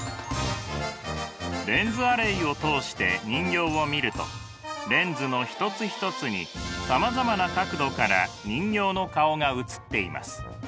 レンズアレイを通して人形を見るとレンズの一つ一つにさまざまな角度から人形の顔が映っています。